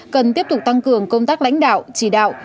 cần tiếp tục tăng cường công tác lãnh đạo chỉ đạo